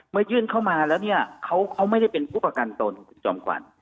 ยื่นเข้ามาแล้วเนี่ยเขาไม่ได้เป็นผู้ประกันตนคุณจอมขวัญ